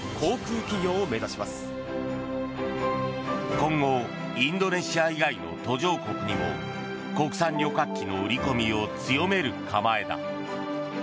今後インドネシア以外の途上国にも国産旅客機の売り込みを強める構えだ。